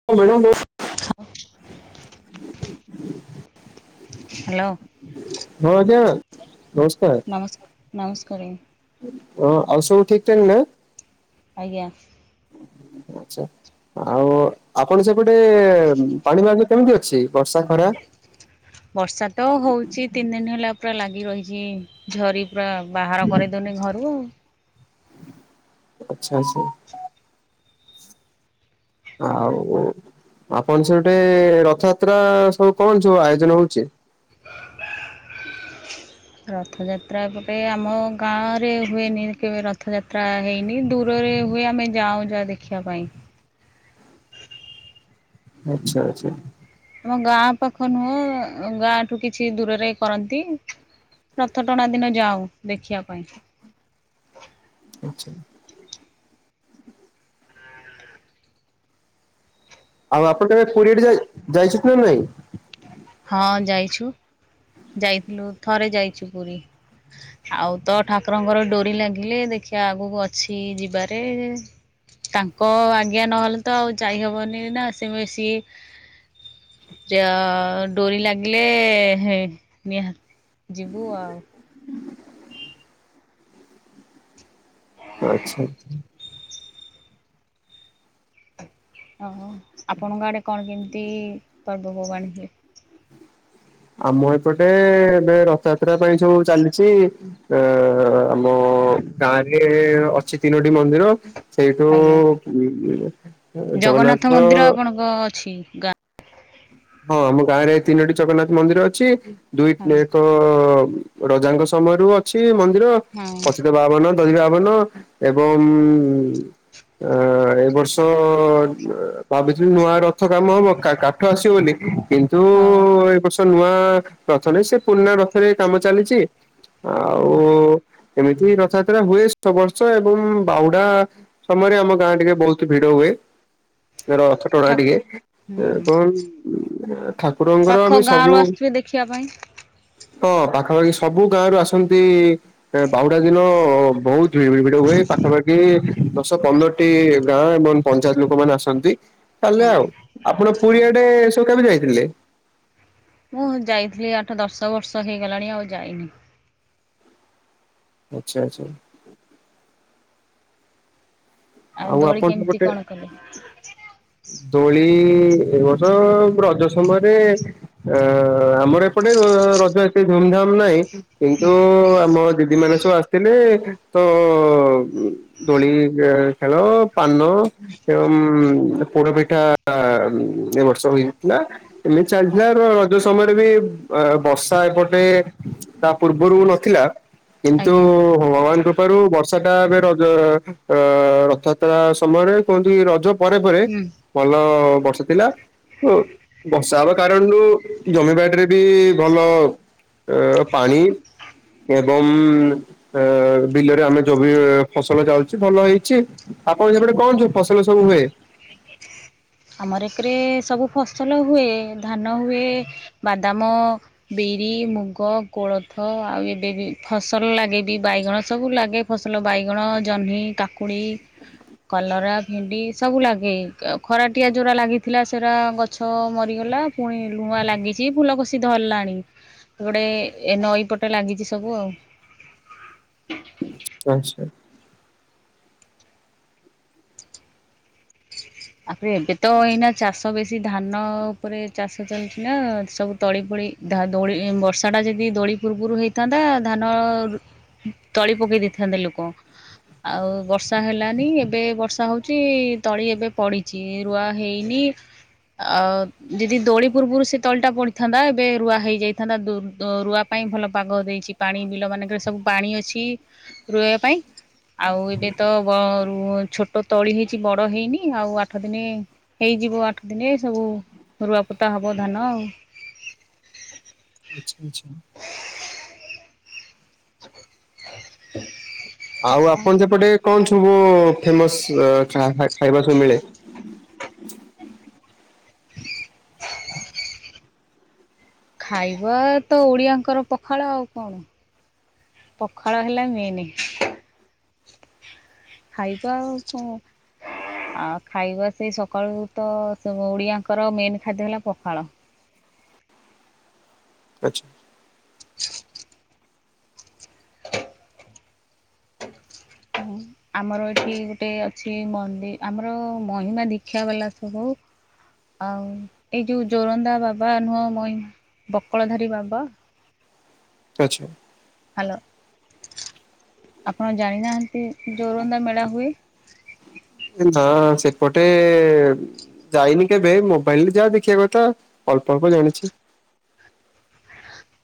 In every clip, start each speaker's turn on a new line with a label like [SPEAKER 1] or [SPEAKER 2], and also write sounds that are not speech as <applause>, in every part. [SPEAKER 1] <unintelligible>
[SPEAKER 2] <inaudible>
[SPEAKER 1] <inaudible>
[SPEAKER 2] Hello
[SPEAKER 1] ହଁ, ଆଜ୍ଞା ନମସ୍କାର୍।
[SPEAKER 2] ନମସ୍, ନମସ୍କା କରେ।
[SPEAKER 1] ହଁ, ଆଉସବୁ ଠିକ୍ ଠାକ୍ ନା?
[SPEAKER 2] ଆଜ୍ଞା।
[SPEAKER 1] ଆଚ୍ଛା। ଆଉ ଆପଣ ସେପଟେ ପାଣି ଫାଣି କେମ୍ତି ଅଛି, ବର୍ଷା ଖରା?
[SPEAKER 2] ବର୍ଷାତ ହଉଛି, ତିନି ଦିନି ହେଲା ପୁରା ଲାଗିରହିଛି। ଝରି ପୁରା ବାହାର କରିଦେଉନି ଘରୁ ଆଉ।
[SPEAKER 1] ଆଚ୍ଛା ଆଚ୍ଛା। ଆଉ ଆପଣ <unintelligible> ଗୋଟେ ରଥଯାତ୍ରା ସବୁ କଣ ସବୁ କଣ ଆୟୋଜନ ହେଉଛି?
[SPEAKER 2] ରଥଯାତ୍ରା ଏପଟେ ଆମ ଗାଁରେ ହୁଏନି, କେବେ ରଥ୍ ରଥଯାତ୍ରା ହେଇନି, ଦୂରରେ ହୁଏ, ଆମେ ଯାଉଁ, ଯାହା ଦେଖିବା ପାଇଁ।
[SPEAKER 1] ଆଚ୍ଛା ଆଚ୍ଛା।
[SPEAKER 2] ଆମ ଗାଁ ପାଖ ନୁହଁ, ଗାଁଠୁ କିଛି ଦୂରରେ କରନ୍ତି। ରଥ ଟଣା ଦିନ ଯାଉଁ, ଦେଖିବା ପାଇଁ।
[SPEAKER 1] ଆଚ୍ଛା। ଆଉ ଆପଣ କେବେ ପୁରୀ ଆଡେ ଯାଇ ଯାଇଛନ୍ତିନା ନାଇଁ?
[SPEAKER 2] ହଁ, ଯାଇଛୁ, ଯାଇଥିଲୁ, ଥରେ ଯାଇଛୁ ପୁରୀ। ଆଉ ତ ଠାକୁରଙ୍କର ଡୋରି ଲାଗିଲେ ଦେଖିବା, ଆଗକୁ ଅଛି ଯିବାରେ। ତାଙ୍କ ଆଜ୍ଞା ନହେଲେ ତ ଆଉ ଯାଇହବନି ନା, ସେଏ ବେସି? <unintelligible> ଡୋରି ଲାଗିଲେ ହେଟ୍ ନିହାତ୍ ଯିବୁ ଆଉ।
[SPEAKER 1] <inaudible> ଆଚ୍ଛା ଆଚ୍ଛା।
[SPEAKER 2] ଓହୋ, ଆପଣଙ୍କ ଆଡେ କଣ କେମିତି ପର୍ବପର୍ବାଣୀ ହୁଏ?
[SPEAKER 1] ଆମ ଏପଟେ ଏବେ ରଥଯାତ୍ରା ପାଇଁ ସବୁ ଚାଲିଛି। <unintelligible> ଅଛି, ତିନୋଟି ମନ୍ଦିର। ସେଇଠୁ
[SPEAKER 2] ଆଜ୍ଞା
[SPEAKER 1] <unintelligible>
[SPEAKER 2] ଜଗନ୍ନାଥ ମନ୍ଦିର ଆପଣଙ୍କ ଅଛି ଗାଁ?
[SPEAKER 1] ହଁ ଆମ ଗାଁ ରେ ତିନୋଟି ଜଗନ୍ନାଥ ମନ୍ଦିର ଅଛି ଦୁଇ
[SPEAKER 2] ହଁ
[SPEAKER 1] <unintelligible> ରାଜାଙ୍କ ସମୟରୁ ଅଛି ମନ୍ଦିର
[SPEAKER 2] ହଁ
[SPEAKER 1] ପଛ ବାବନ ଦହି ବାବନ ଏବଂ ଉଁ ଅ ଏ ବର୍ଷ ଭାବିଥିଲି ନୂଆ ରଥ କାମ ହବ ଅ କାଠ ଆସିବ ବୋଲି କି କିନ୍ତୁ
[SPEAKER 2] ହଁ।
[SPEAKER 1] ଆଉ ଏ ବର୍ଷ ନୂଆ ରଥରେ ସେ ପୁରୁଣା ରଥରେ କାମ ଚାଲିଛି
[SPEAKER 2] ହୁଁ
[SPEAKER 1] ଆଉ ଏମିତି ରଥଯାତ୍ରା ହୁଏ ସବୁ ବର୍ଷ ଏବଂ ବାହୁଡ଼ା ସମୟରେ ଆମ ଗାଁ ଟିକେ ବହୁତ ଭିଡ ହୁଏ ରଥ କଟଣା
[SPEAKER 2] ଠା
[SPEAKER 1] ଟିକେ
[SPEAKER 2] ହୁଁ
[SPEAKER 1] ଏ କଣ? ଉ ଠାକୁରଙ୍କର
[SPEAKER 2] ପାଖ
[SPEAKER 1] ବି
[SPEAKER 2] ଗାଁରୁ
[SPEAKER 1] ସବୁ
[SPEAKER 2] ଆସୁଥିବେ ଦେଖିବା ପାଇଁ
[SPEAKER 1] ହଁ ପାଖାପାଖି ସବୁ ଗାଁ ରୁ ଆସନ୍ତି ବାହୁଡା ଦିନ ବହୁତ <unintelligible> ଭିଡ଼ ହୁଏ ପାଖାପାଖି ଦଶ ପନ୍ଦରଟି ଗାଁ ଏବଂ ପଞ୍ଚାୟତ ଲୋକମାନୋନେ ଆସନ୍ତି। ଚାଲେ ଆଉ
[SPEAKER 2] ହଁ
[SPEAKER 1] ଆପଣ
[SPEAKER 2] ହଁ।
[SPEAKER 1] ପୁରୀଆଡେ ସବୁ କେବେ ଯାଇଥିଲେ?
[SPEAKER 2] ମୁଁ ଯାଇଥିଲି ଆଠ ଦଶ ବର୍ଷ ହେଇଗଲାଣି ଆଉ ଯାଇନି।
[SPEAKER 1] ଆଚ୍ଛା ଆଚ୍ଛା।
[SPEAKER 2] ଆଉ ଦୋଡ଼ି
[SPEAKER 1] ଆପଣ
[SPEAKER 2] କେମିତି
[SPEAKER 1] ସେପଟେ
[SPEAKER 2] କଣ କଲ?
[SPEAKER 1] ଦୋଳି ଏବ ବର୍ଷ ରଜ ସମୟରେ ଅ ଆମର ଏପଟେ ଏ ରଜ ଏତେ ଧୁମ ଧାମ ନାହିଁ।
[SPEAKER 2] ହୁଁ
[SPEAKER 1] କିନ୍ତୁ ଆମ ଦିଦି ମାନେ ସବୁ ଆସ ଥିଲେ ତ ଦୋଳି ଖେ ଖେଳ ପାନ ଏବଂ ଉମ ପୋଡ ପିଠା ଆ ଏ ବର୍ଷ ହେଇଥିଲା ଏମ
[SPEAKER 2] ହଁ
[SPEAKER 1] ଚାଲିଥିଲା ର ସମୟରେ ବି ଉ ବର୍ଷା ଏପଟେ ତା ପୂର୍ବରୁ ନଥିଲା। କିନ୍ତୁ
[SPEAKER 2] ଆଜ୍ଞା
[SPEAKER 1] ଭଗବାନ ରୁ କୃପାରୁ ବର୍ଷା ଟା ଏବେ ରଜ ଅ ରଥଯାତ୍ରା ସମୟରେ କୁହନ୍ତି ରଜ ପରେ ପରେ
[SPEAKER 2] ହୁଁ।
[SPEAKER 1] ଭଲ ବର୍ଷା ଥିଲା। ଓ ବର୍ଷା ହେବା କାରଣରୁ ଜମିବାଡିରେ ବି ଭଲ ଅ ପାଣି ଏବଂ ବିଲରେ ଆମେ ଯୋବି ଫସଲ ଯାଉଛି ଭଲ ହେଇଛି? ଆପଣ ସେପଟେ କଣ ସବୁ ଫସଲ ସବୁ ହୁଏ?
[SPEAKER 2] ଆମର ଏକରେ ସବୁ ଫସଲ ହୁଏ ଧାନ ହୁଏ ବାଦାମ ବିରି ମୁଗ କୋଳଥ ଆଉ ଏବେ ବି ଫସଲ ଲାଗେ ବି ବାଇଗଣ ସବୁ ଲାଗେ ଫସଲ ବାଇଗଣ ଜହ୍ନି କାକୁଡ଼ି କଲରା ଭେଣ୍ଡି ସବୁ ଲାଗେ <unintelligible> ଖରାଟିଆ ଯେଉଁରା ଲାଗିଥିଲା ସେଟା ଗଛ ମରିଗଲା ପୁଣି ଲୁଆଁ ଲାଗିଛି ଫୁଲକଷି ଧରିଲାଣି। ଗୋଟେ ଏ ନଈ ପଟ ଲାଗିଛି ସବୁ ଆଉ।
[SPEAKER 1] ଆଛା।
[SPEAKER 2] ଆପରେ ଏବେ ତ ଏଇନା ଚାଷ ବେଶୀ ଧାନ ଉପରେ ଚାଷ ଚାଲିଛି ନା ସବୁ ତଳି ଫଳି ଧା ଦୋଳି ବର୍ଷାଟା ଯଦି ଦୋଳି ପୂର୍ବରୁ ହେଇଥାନ୍ତା ଧାନ ତଳି ପକେଇ ଦେଇଥାନ୍ତେ ଲୋକ। ଆଉ ବର୍ଷା ହେଲାନି ଏବେ ବର୍ଷା ହଉଛି ତଳି ଏବେ ପଡ଼ିଛି ରୁଆ ହେଇନି ଆଉ ଯଦି ଦୋଳି ପୂର୍ବରୁ ସେ ତଳିଟା ପଡିଥାନ୍ତା ଏବେ ରୁଆ ହେଇଯାଇଥାନ୍ତା ରୁଆ ପାଇଁ ଭଲ ପାଗ ଦେଇଛି। ପାଣି ବିଲ ମାନଙ୍କରେ ସବୁ ପାଣି ଅଛି ରୋଇବା ପାଇଁ। ଆଉ ଏବେ ତ ବ ରୁ ଛୋଟ ତଳି ହେଇଛି ବଡ ହେଇନି? ଆଉ ଆଠ ଦିନେ, ହେଇଯିବ ଆଠ ଦିନେ ସବୁ ରୁଆପୋତା ହବ ଧାନ ଆଉ।
[SPEAKER 1] ଆଛା ଆଚ୍ଛା।
[SPEAKER 2] ହୁଁ
[SPEAKER 1] ଆଉ ଆପଣ ସେପଟେ କଣ ସବୁ ଫେମସ ଖା ଖାଇବା ସବୁ ମିଳେ?
[SPEAKER 2] ଖାଇବା ତ ଓଡିଆଙ୍କର ପଖାଳ ଆଉ କଣ? ପଖାଳ ହେଲା ମେନ। ଖାଇବା ଆଉ କଣ? ଆଉ ଖାଇବା ସେ ସକାଳୁ ତ ଓଡ଼ିଆଙ୍କର ମେନ୍ ଖାଦ୍ୟ ହେଲା ପଖାଳ।
[SPEAKER 1] ଆଚ୍ଛା
[SPEAKER 2] ହ ଆମର ଏଠି ଗୋଟେ ଅଛି ମନ୍ଦି ଆମର ମହିମା ଦୀକ୍ଷା ବାଲା ସବୁ। ଆଉ, ଏଇ ଯୋଉ ଜୋରନ୍ଦା ବାବା ନୁହଁ ମହିମା, ବକଳଧାରୀ ବାବା।
[SPEAKER 1] ଆଚ୍ଛା
[SPEAKER 2] ହ୍ୟାଲୋ। ଆପଣ ଜାଣିନାହାଁନ୍ତି ଜୋରନ୍ଦା ମେଳା ହୁଏ?
[SPEAKER 1] ନା ସେପଟେ ଯାଇନି କେବେ। ମୋବାଇଲରେ ଯାହା ଦେଖିବା କଥା ଅଳ୍ପ ଅଳ୍ପ ଜାଣିଛି।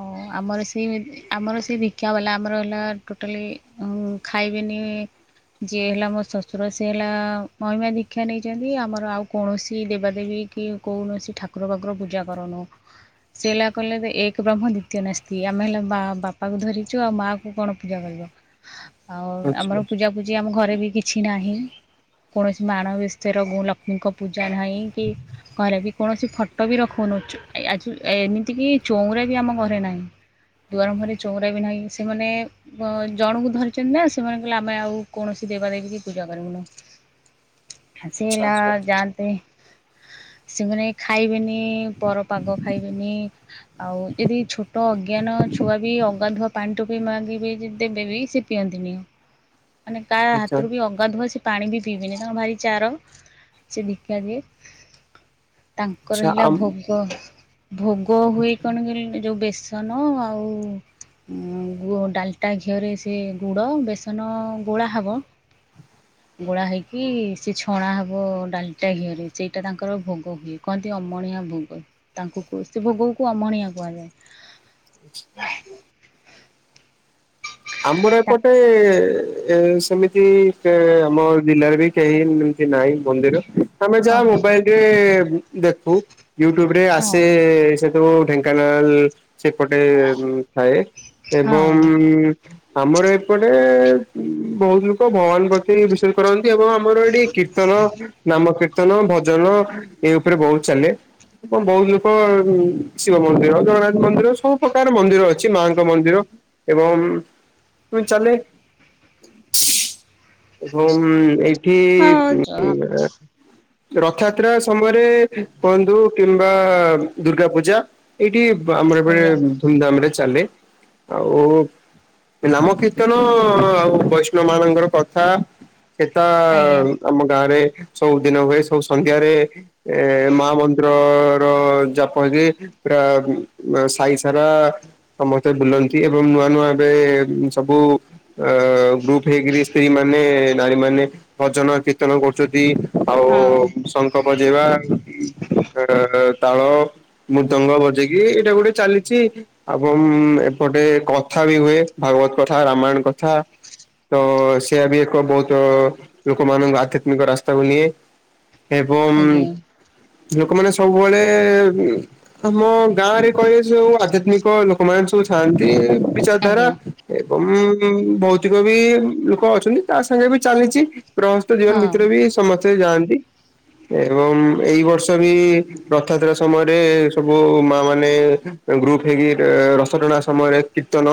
[SPEAKER 2] ହ ଆମର ସେ, ଆମର ସେ ଦୀକ୍ଷା ବାଲା। ଆମର ହେଲା ଟୋଟାଲି ଉଁ ଖାଇବେନି ଯିଏ ହେଲା ମୋ ଶ୍ୱଶୁର ସେ ହେଲା ମହିମା ଦୀକ୍ଷା ନେଇଛନ୍ତି। ଆମର ଆଉ କୌଣସି ଦେବାଦେବୀ କି କୌଣସି ଠାକୁର ଫାକୁର ପୂଜା କରଉନୁ। ସେ ହେଲା କହିଲେ ଏକ ବ୍ରହ୍ମ ଦ୍ଵିତୀୟ ନାସ୍ତି। ଆମେ ହେଲା ବାପାକୁ ଧରିଛୁ ଆଉ ମା କୁ କଣ ପୂଜା କରିବ? ଆଉ
[SPEAKER 1] ଆଚ୍ଛା
[SPEAKER 2] ଆମର
[SPEAKER 1] ଆଚ୍ଛା।
[SPEAKER 2] ପୂଜାପୂଜି ଆମ ଘରେ ବି କିଛି ନାହିଁ। କୌଣସି ମାଣ ବି <inaudible> କ ପୂଜା ନାଁହିଁ କି ଘରେ ବି କୌଣସି ଫଟୋ ବି ରଖଉନୁ ଆ ଏମିତି କିି ଚଉରା ବି ଆମ ଘରେ ନାହିଁ। ଦୁଆର ମୁହଁରେ ଚଉରା ବି ନାହିଁ ସେ ମାନେ ହଁ ଜଣଙ୍କୁ ଧରିଛନ୍ତି ନା ସେମାନେ କହିଲେ ଆମେ ଆଉ କୌଣସି ଦେବାଦେବୀ କି ପୂଜା କରିବୁ ନୁ। ଆ ସ
[SPEAKER 1] ଆଚ୍ଛା ଆଚ୍ଛା
[SPEAKER 2] ହେଲା
[SPEAKER 1] ଆଚ୍ଛା
[SPEAKER 2] ଯାଆନ୍ତେ। ସେମାନେ ଖାଇବେନି। ନି, ପର ପାଗ ଖାଇବେନି। ଆଉ ଯଦି ଛୋ ଟ ଅଜ୍ଞାନ ଛୁଆ ବି ଅଗାଧୁଆ ପାଣି ଟୋପି ମାଗିବେ ଦେବେବି ସେ ପିଅନ୍ତିନି। ମାନେ କହା
[SPEAKER 1] ଆଚ୍ଛା
[SPEAKER 2] ହାତରୁ ବି ଅ ଗାଧୁଆ ସେ ପାଣି ବି ପିଇବେନି। ତାଙ୍କର ଭାରି ଚାର ସେ ଦୀକ୍ଷା ଜିଏ ତାଙ୍କର
[SPEAKER 1] ଆଚ୍ଛା
[SPEAKER 2] ହେଲା
[SPEAKER 1] ଆମ୍
[SPEAKER 2] ଭୋଗ, ଭୋଗ ହୁଏ
[SPEAKER 1] ଆଚ୍ଛା।
[SPEAKER 2] କଣ କହିଲୁ ଏ ଯୋଉ ବେସନ ଆଉ ଉଁ ଗୁ ଡାଲଟା ଘିଅରେ ସେ ଗୁଡ଼, ବେସନ, ଗୋଳା ହେବ।
[SPEAKER 1] ହ <unintelligible>
[SPEAKER 2] ଗୋଳା ହେଇକି ସେ ଛଣା ହେବ ଡାଲିଟା ଘିଅରେ ସେଇଟା ତାଙ୍କର ଭୋଗ ହୁଏ। କହନ୍ତି ଅମଣିଆ ଭୋଗ। ତାଙ୍କୁ କୁ ସେ ଭୋଗକୁ ଅମଣିଆ କୁହାଯାଏ।
[SPEAKER 1] ଆଛ <unintelligible> ଆମର ଏପଟେ ଏ ସେମିତି କେ ଆମ ଜିଲ୍ଲାରେ ବି କେହି ଏମତି ନାହିଁ ମନ୍ଦିର। ଆମେ ଯାହା
[SPEAKER 2] ଓହୋ
[SPEAKER 1] ମୋବାଇଲରେ ଦେଖୁ। ୟୁଟ୍ୟୁବ ରେ ଆସେ
[SPEAKER 2] ହଁ
[SPEAKER 1] ଯୋଉ ଢେଙ୍କାନାଳ ସେପଟେ ଥାଏ
[SPEAKER 2] ହଁ
[SPEAKER 1] ଏବଂ ଆମର ଏପଟେ ବହୁତ ଲୋକ ଭଗବାନ ପ୍ରତି ବିଶ୍ୱାଷ କରନ୍ତି ଏବଂ ଆମର ଏଠି କୀର୍ତ୍ତନ, ନାମ କୀର୍ତ୍ତନ, ଭଜନ ଏଇ ଉପରେ ବହୁତ ଚାଲେ। କଣ ବହୁତ ଲୋକ ଶିବ ମନ୍ଦିର ଜଗନ୍ନାଥ ମନ୍ଦିର ସବୁ ପ୍ରକାର ମନ୍ଦିର ଅଛି ମାଙ୍କ ମନ୍ଦିର। ଏବଂ ତ ଚାଲେ ଏବଂ ଏଇ କି
[SPEAKER 2] ହଁ ଆଜ୍ଞା
[SPEAKER 1] <unintelligible> ରଥଯାତ୍ରା ସମୟରେ କୁହନ୍ତୁ କିମ୍ବା ଦୁର୍ଗା ପୂଜା। ଏଇଠି ଆମର ଏବେ
[SPEAKER 2] ଆଜ୍ଞା ହଁ
[SPEAKER 1] ଧୁମଧାମ ରେ ଚାଲେ ଆଉ। ନାମକୀର୍ତ୍ତନ ଆଉ ବୈଷ୍ଣ ମାନଙ୍କର କଥା। ସେଟ ଆମ ଗାଁ ରେ ସବୁଦିନ ହୁଏ ସବୁ ସନ୍ଧ୍ୟାରେ। ଏ ମା ମନ୍ଦିର ର ଜାପ ହେଇକି। ପୁରା ସାାଇ ସାରା ସମସ୍ତେ ବୁଲନ୍ତି ଏବଂ ନୂଆ ନୂଆ ଏବେ ସବୁ ଅ ଗ୍ରୁପ ହେଇକରି ସ୍ତ୍ରୀ ମାନେ ନାରୀ ମାନେ ଭଜନ କୀର୍ତ୍ତନ କରୁଛନ୍ତି ଆଉ ଶଙ୍ଖ ବଜେଇବା। ହ ତାଳ ମୃଦଙ୍ଗ ବଜେଇକି ଏଇଟା ଗୋଟେ ଚାଲିଛି ଏବଂ ଏପଟେ କଥା ବି ହୁଏ। ଭାଗବତ କଥା ରାମାୟଣ କଥା। ତ ସେଆ ବି ଏକ ବହୁତ ଲୋକମାନଙ୍କ ଆଧ୍ୟାତ୍ମିକ ରାସ୍ତାକୁ ନିଏ। ଏବଂ ଲୋକମାନେ ସବୁବେଳେ ଆମ ଗାଁ ରେ କହ ସୁ ଆଧ୍ୟାତ୍ମିକ ଲୋକମାନୋନ ସବୁ ଥାଆନ୍ତି
[SPEAKER 2] ଆଜ୍ଞା
[SPEAKER 1] ବିଚାରଧାରା
[SPEAKER 2] ଆଜ୍ଞା।
[SPEAKER 1] ଏବଂ ଭୌତିକ ବି ଲୋକ ଅଛନ୍ତି ତା ସାଙ୍ଗେ ବି ଚାଲିଛି ପ୍ରା ଜୀବନ
[SPEAKER 2] ହଁ
[SPEAKER 1] ଭିତରେ ବି ସମସ୍ତେ ଯାଆନ୍ତି ଏବଂ ଏଇ ବର୍ଷ ବି ରଥଯାତ୍ରା ସମୟରେ ସବୁ ମା ମାନେ ଗ୍ରୁପ ହେଇକି ରଥ ଟଣା ସମୟରେ କିତନ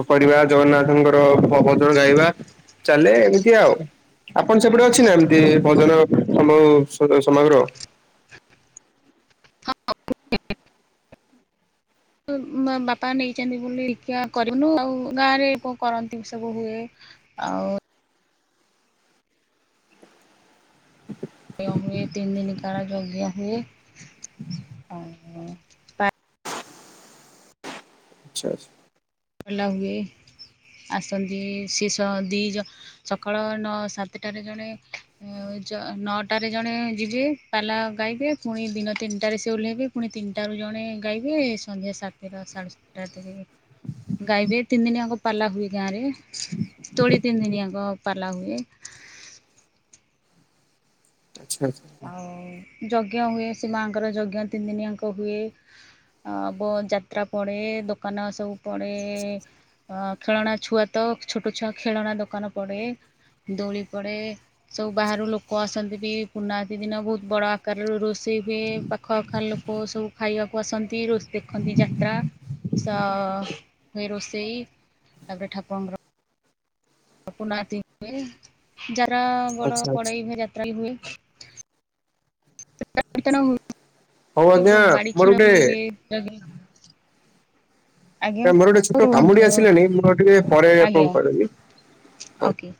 [SPEAKER 1] ଫୋପାଡିବା ଜଗନ୍ନାଥଙ୍କର ପବତ୍ର ଗାଇବା ଚାଲେ ଏମିତି ଆଉ। ଆପଣ ସେପଟେ ଅଛି ନା ଏମିତି ଭଜନ ସମ ସମଗ୍ର <unintelligible>
[SPEAKER 2] ବାପା ନେଇଛନ୍ତି ବୋଲି ଶିକ୍ଷା କରିବନୁ ଆଉ ଗାଁ ରେ କଣ କରନ୍ତି ସବୁ ହୁଏ। ଆଉ <unintelligible> ହୁଏ ତିନ ଦିନିକ ଜଗିଆ ହୁଏ ଆଉ
[SPEAKER 1] ଆଚ୍ଛା ଆଚ୍ଛା।
[SPEAKER 2] ପିଲ ହୁଏ ଆସନ୍ତି ଶିଷ ଦୁଇଜ ସକାଳ ନଅ ସାତଟାରେ ଜଣେ ଆଉ ଜ ନଅଟାରେ ଜଣେ ଯିବେ ପାଲା ଗାଇବେେ ପୁଣି ଦିନ ତିନିଟାରେ ସେ ଓହ୍ଲେଇବେ। ପୁଣି ତିନିଟାରୁ ଜଣେ ଗାଇବେ ସନ୍ଧ୍ୟା ସାତଟା ସାଢ଼େ ସାତଟା ଏତେ ଯିବେ ଗାଈବେ ତିନି ଦିନିଆଙ୍କ ପାଲା ହୁଏ ଗାଁରେ ତୋଳି ତିନି ଦିନିଆଙ୍କ ପାଲା ହୁଏ।
[SPEAKER 1] ଆଚ୍ଛା ଆଚ୍ଛା।
[SPEAKER 2] ଆଉ ଯଜ୍ଞ ହୁଏ ସେ ମାଆଙ୍କର ଯଜ୍ଞ ତିନି ଦିନିଆଙ୍କ ହୁଏ। ଆ ବ ଯାତ୍ରା ପଡେ ଦୋକାନ ସବୁ ପଡେ। ଅ ଖେଳଣା ଛୁଆ ତ ଛୋଟ ଛୁଆ ଖେଳଣା ଦୋକାନ ପଡେ। ଦୋଳି ପଡ଼େ ସବୁ ବାହାରୁ ଲୋକ ଆସନ୍ତି ବି। ପୂର୍ଣ୍ଣାହୁତି ଦିନ ବହୁତ ବଡ଼ ଆକାରର ରୋଷେଇ ହୁଏ ପାଖ ଆଖ ଲୋକ ସବୁ ଖାଇବାକୁ କୁ ଆସନ୍ତି ରୋସ୍ ଦେଖନ୍ତି ଯାତ୍ରା ସ ହୁଏ ରୋଷେଇ। ତାପରେ ଠାକୁରଙ୍କର କୁନାତି ହୁଏ ଯାର ଗଡ
[SPEAKER 1] ଆଚ୍ଛା ଆଚ୍ଛା
[SPEAKER 2] ପଡେଇଏ ଯାତ୍ରା ବି ହୁଏ। ତ ବାଡି
[SPEAKER 1] ହଉ ଆଜ୍ଞା ମୋର
[SPEAKER 2] ଖେଳ
[SPEAKER 1] ଗୋଟେ
[SPEAKER 2] ବି ହୁଏ ଜଗି
[SPEAKER 1] ମୋର ଗୋଟେ ଛୁଟ କାମଟି
[SPEAKER 2] ରୁହନ୍ତୁ
[SPEAKER 1] ଆସିଲାଣି ମୁଁର ଟିକେ ପରେ
[SPEAKER 2] ଆଜ୍ଞା
[SPEAKER 1] ଆପଣଙ୍କୁ କରିବି। ହଉ।
[SPEAKER 2] ଓକେ।